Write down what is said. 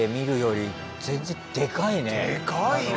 でかいな！